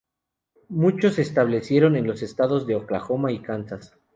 Muchos se establecieron en los estados de Oklahoma y Kansas.